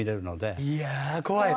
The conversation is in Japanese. いや怖い！